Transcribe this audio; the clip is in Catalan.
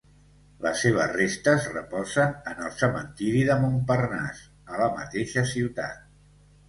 Les seves restes reposen en el Cementiri de Montparnasse, a la mateixa ciutat.